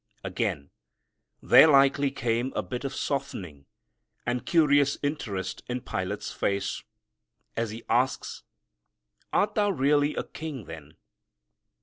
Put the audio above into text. Again there likely came a bit of softening and curious interest in Pilate's face, as he asks, "Art Thou really a King then?"